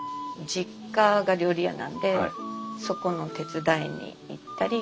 実家が料理屋なんでそこの手伝いに行ったり。